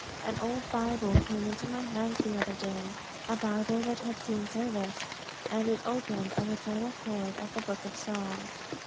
An old Bible came into my hands the other day a Bible that had seen service and it opened of its own accord at the Book of Psalms.